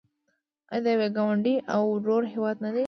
آیا د یو ګاونډي او ورور هیواد نه دی؟